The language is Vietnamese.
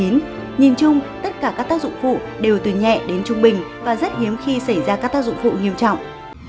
nhìn chung tất cả các tác dụng phụ đều từ nhẹ đến trung bình và rất hiếm khi xảy ra các tác dụng phụ nghiêm trọng